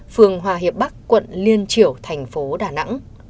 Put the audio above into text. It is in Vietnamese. phường hòa hiệp bắc quận liên triểu thành phố đà nẵng